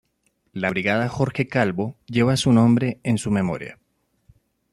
La Brigada Jorge Calvo lleva su nombre en su memoria.